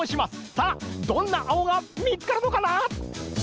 さあどんな青が見つかるのかな？